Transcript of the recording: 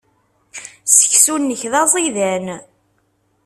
Seksu-nnek d aẓidan.